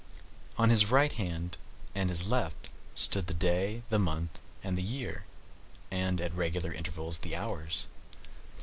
On his right hand and his left stood the Day, the Month, and the Year, and, at regular intervals, the Hours.